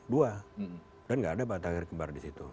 dan nggak ada matahari kembar di situ